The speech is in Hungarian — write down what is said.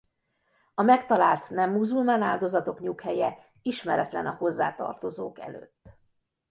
A megtalált nem muzulmán áldozatok nyughelye ismeretlen a hozzátartozók előtt.